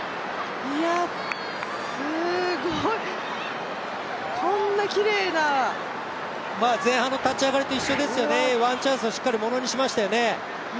いや、すごいこんなきれいな前半の立ち上がりと一緒ですよね、ワンチャンスをしっかりものにしましたよね。